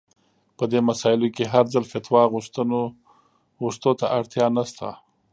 په دې مسايلو کې هر ځل فتوا غوښتو ته اړتيا نشته.